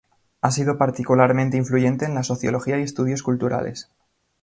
Ha sido particularmente influyente en la sociología y estudios culturales.